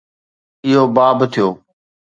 اهو باب ٿيو